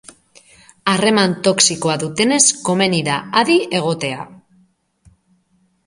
Harreman toxikoa dutenez komeni da adi egotea.